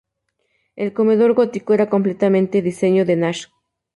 El comedor gótico era completamente diseño de Nash.